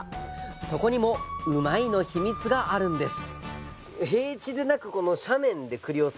そこにもうまいッ！のヒミツがあるんです